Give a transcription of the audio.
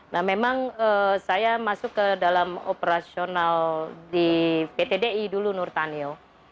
nah memang saya masuk ke dalam operasional di pt di dulu nurtanil